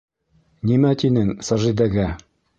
Нимә тинең Сажидәгә?